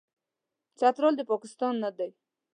چترال، پاکستان نه دی.